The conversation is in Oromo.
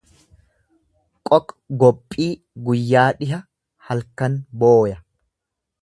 Qoqgophii guyyaa dhiha halkan booya.